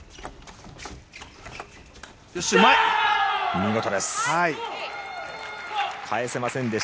見事です。